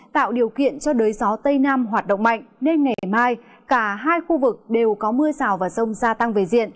tạo điều kiện cho đới gió tây nam hoạt động mạnh nên ngày mai cả hai khu vực đều có mưa rào và rông gia tăng về diện